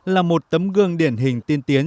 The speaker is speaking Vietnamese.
là một tấm gương điển hình tiên tiến